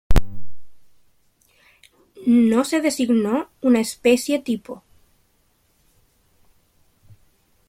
No se designó una especie tipo.